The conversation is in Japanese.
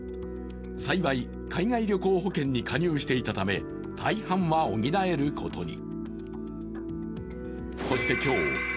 幸い、海外旅行保険に加入していたため、大半は補えることに。